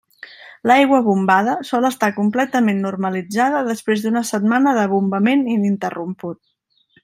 L'aigua bombada sol estar completament normalitzada després d'una setmana de bombament ininterromput.